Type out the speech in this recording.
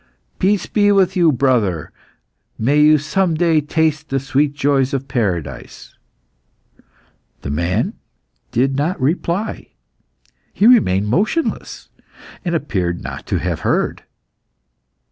"Peace be with you, brother! May you some day taste the sweet joys of paradise." The man did not reply. He remained motionless, and appeared not to have heard.